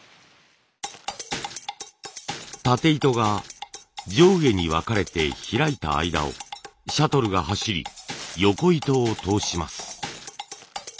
たて糸が上下に分かれて開いた間をシャトルが走りよこ糸を通します。